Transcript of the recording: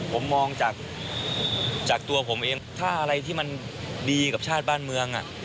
ผมมองจากตัวผมเองถ้าอะไรที่มันดีกับชาติบ้านเมือง